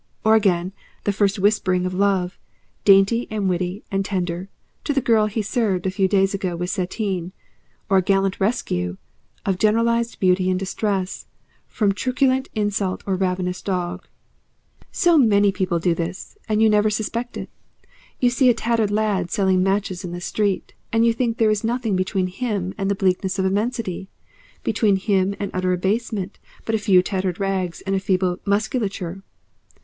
or again, the first whispering of love, dainty and witty and tender, to the girl he served a few days ago with sateen, or a gallant rescue of generalised beauty in distress from truculent insult or ravening dog. So many people do this and you never suspect it. You see a tattered lad selling matches in the street, and you think there is nothing between him and the bleakness of immensity, between him and utter abasement, but a few tattered rags and a feeble musculature.